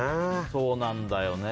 そうなんだよね。